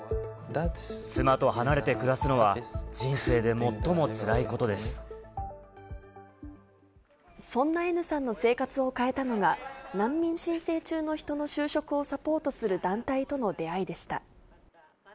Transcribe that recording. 妻と離れて暮らすのは、そんなＮさんの生活を変えたのが、難民申請中の人の就職をサポートする団体との出会いでした。